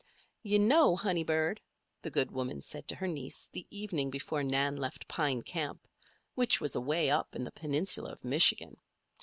"You know, honey bird," the good woman said to her niece, the evening before Nan left Pine Camp which was away up in the Peninsula of Michigan.